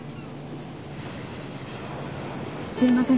すいません。